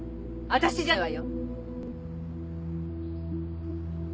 私じゃないわよ。